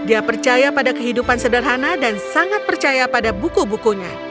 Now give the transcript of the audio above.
dia percaya pada kehidupan sederhana dan sangat percaya pada buku bukunya